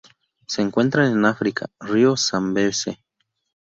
Se encuentran en África: río Zambeze.